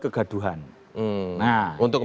kegaduhan nah untuk